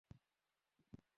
হয়ে গিয়েছে প্রায়।